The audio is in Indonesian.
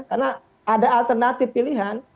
karena ada alternatif pilihan